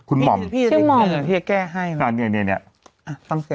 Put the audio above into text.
คุณหม่อพี่จะแก้ให้อ่าเนี้ยเนี้ยเนี้ยอ่าฟังสิ